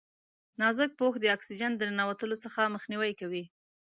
نازک پوښ د اکسیجن د ننوتلو څخه مخنیوی کوي.